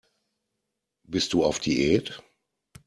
Bist du auf Diät?